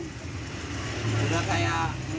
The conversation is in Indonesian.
udah kayak orang tua sendiri